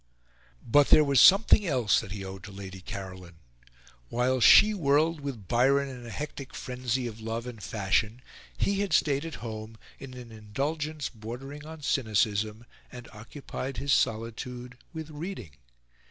But there was something else that he owed to Lady Caroline. While she whirled with Byron in a hectic frenzy of love and fashion, he had stayed at home in an indulgence bordering on cynicism, and occupied his solitude with reading.